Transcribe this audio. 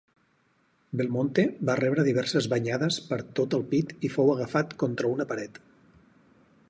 Belmonte va rebre diverses banyades per tot el pit i fou agafat contra una paret.